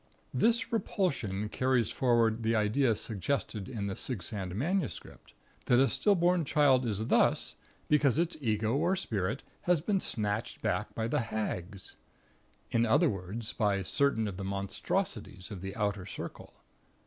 This repulsion carries forward the idea suggested in the Sigsand MS., that a stillborn child is thus, because its ego or spirit has been snatched back by the 'Hags.' In other words, by certain of the Monstrosities of the Outer Circle.